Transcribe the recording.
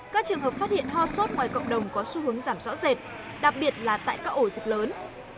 các trường hợp phát hiện ho sốt ngoài cộng đồng có xu hướng giảm rõ rệt đặc biệt là tại các ổ dịch lớn